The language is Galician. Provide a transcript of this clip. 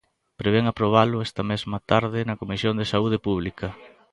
Prevén aprobalo esta mesma tarde na Comisión de Saúde Pública.